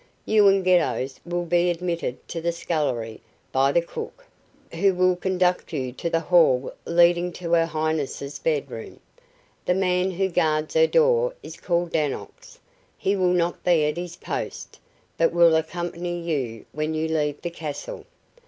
You and Geddos will be admitted to the scullery by the cook, who will conduct you to the hall leading to Her Highness's bed room. The man who guards her door is called Dannox. He will not be at his post, but will accompany you when you leave the castle.